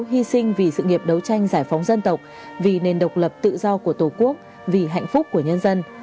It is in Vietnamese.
hy sinh vì sự nghiệp đấu tranh giải phóng dân tộc vì nền độc lập tự do của tổ quốc vì hạnh phúc của nhân dân